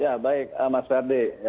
ya baik mas ferdi